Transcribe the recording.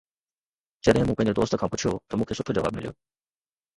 جڏهن مون پنهنجي دوست کان پڇيو ته مون کي سٺو جواب مليو